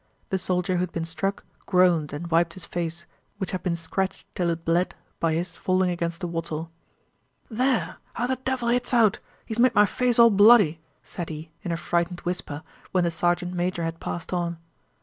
The soldier who had been struck groaned and wiped his face, which had been scratched till it bled by his falling against the wattle. "There, how that devil hits out! He's made my face all bloody," said he in a frightened whisper when the sergeant major had passed on.